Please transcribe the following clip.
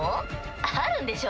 あるんでしょ？